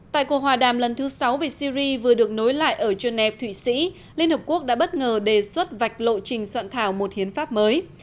tại cuộc hòa đàm lần thứ sáu về syri vừa được nối lại ở geneva thụy sĩ liên hợp quốc đã bất ngờ đề xuất vạch lộ trình soạn thảo một hiến pháp mới